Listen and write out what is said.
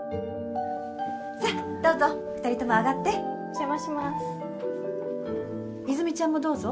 さっどうぞ２人とも上がってお邪魔します泉ちゃんもどうぞ？